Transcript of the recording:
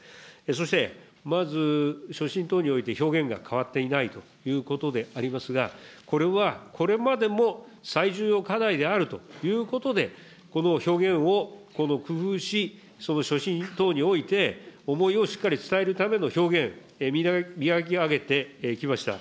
そして、まず、所信等において表現が変わっていないということでありますが、これはこれまでも最重要課題であるということで、この表現を工夫し、その所信等において、思いをしっかり伝えるための表現、磨き上げてきました。